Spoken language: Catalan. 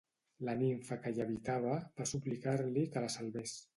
La nimfa que hi habitava va suplicar-li que la salvés.